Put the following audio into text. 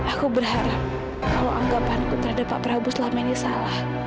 aku berharap kalau anggapanku terhadap pak prabowo selama ini salah